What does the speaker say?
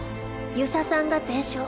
遊佐さんが全勝。